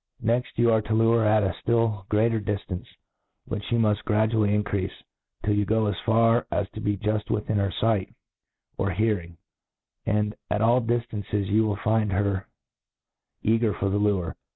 Mf Next you arc ta lure ber at a {)iU greater di ftance^ which you mufi gradually mcceafe, till you go as far as to be juft witUn her fight or hearing } and at all diftances you wiU find her caggr for the lure.